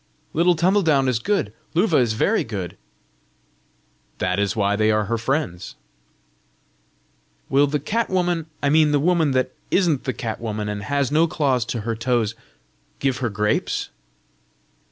"Little Tumbledown is good! Luva is very good!" "That is why they are her friends." "Will the cat woman I mean the woman that isn't the cat woman, and has no claws to her toes give her grapes?"